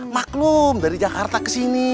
maklum dari jakarta ke sini